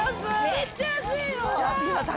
めっちゃ安い。